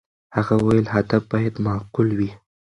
هغه وویل، هدف باید معقول وي.